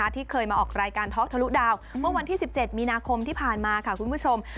ที่เคยมาออกรายการท็อกทะลุดาวเมื่อวันที่๑๗มีนาคมที่ผ่านมาค่ะคุณผู้ชม